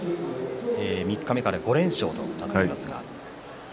三日目から５連勝としています。